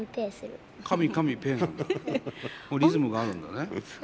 リズムがあるんだね。